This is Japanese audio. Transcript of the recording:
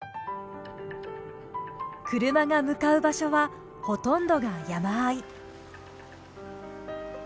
車が向かう場所はほとんどが山あい。